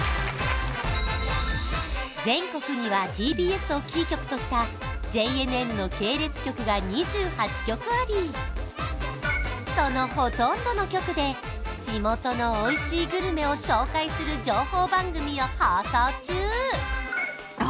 全国にはＴＢＳをキー局としたＪＮＮの系列局が２８局ありそのほとんどの局で地元のおいしいグルメを紹介する情報番組を放送中あ